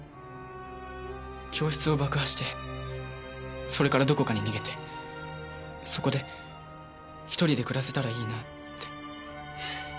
教室を爆破してそれからどこかに逃げてそこで１人で暮らせたらいいなぁって。